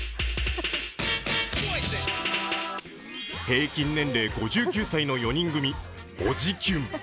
平均年齢５９歳の４人組おじキュン。